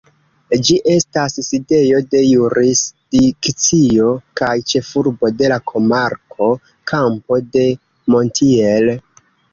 Ĝi estas sidejo de jurisdikcio kaj ĉefurbo de la komarko Campo de Montiel.